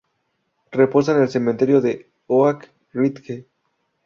Reposa en el cementerio de Oak Ridge.